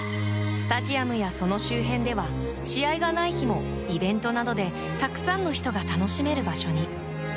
スタジアムやその周辺では試合がない日もイベントなどでたくさんの人が楽しめる場所に。